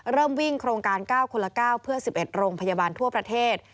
เริ่มวิ่งโครงการ๙คนละ๙เพื่อ๑๑โรงพยาบาลทั่วประเทศ